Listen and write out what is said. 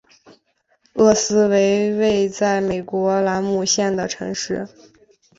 厄斯为位在美国兰姆县的城市。